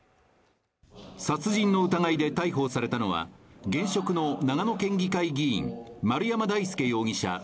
殺人の疑いで逮捕されたのは現職の長野県議会議員・丸山大輔容疑者